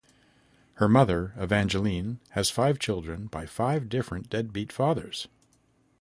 Her mother, Evangeline, has five children by five different deadbeat fathers.